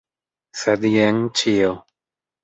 Sed jen ĉio.